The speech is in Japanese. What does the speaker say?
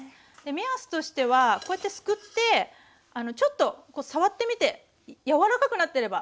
目安としてはこうやってすくってちょっと触ってみて柔らかくなってれば。